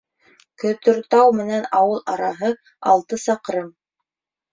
Көтөртау менән ауыл араһы алты саҡрым.